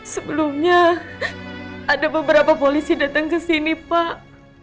sebelumnya ada beberapa polisi datang ke sini pak